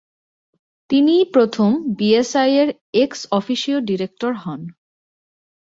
তিনিই প্রথম বিএসআই-এর ex officio director হন।